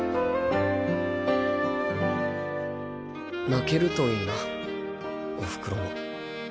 泣けるといいなお袋も。